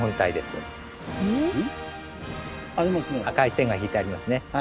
赤い線が引いてありますね。